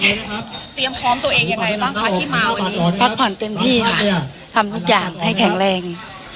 เตรียมพร้อมตัวเองยังไงบ้างคะที่มาวันนี้พักผ่อนเต็มที่ค่ะทำทุกอย่างให้แข็งแรง